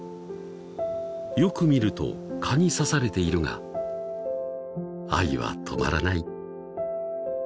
［よく見ると蚊に刺されているが愛は止まらない］